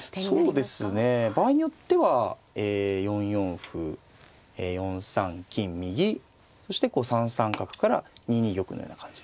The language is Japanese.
そうですね場合によっては４四歩４三金右そしてこう３三角から２二玉のような感じで。